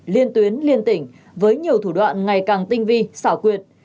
liên tuyến liên tỉnh với nhiều thủ đoạn ngày càng tinh vi xảo quyệt